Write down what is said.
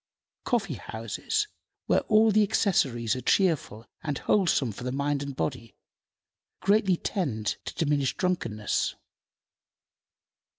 Coffee houses, where all the accessories are cheerful and wholesome for mind and body, greatly tend to diminish drunkenness.